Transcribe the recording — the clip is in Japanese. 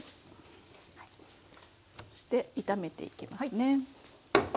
そして炒めていきますね。